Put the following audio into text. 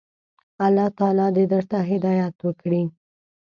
الله تعالی دي درته هدايت وکړي.